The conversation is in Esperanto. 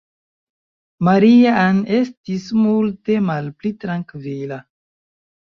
Maria-Ann estis multe malpli trankvila.